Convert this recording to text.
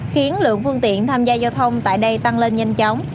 khiến lượng phương tiện tham gia giao thông tại đây tăng lên nhanh chóng